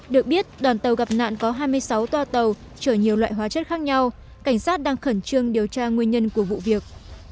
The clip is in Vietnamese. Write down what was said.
được biết đoàn tàu gặp nạn có hai mươi sáu toa tàu trở nhiều loại hóa chất khác nhau cảnh sát đang khẩn trương điều tra nguyên nhân của vụ việc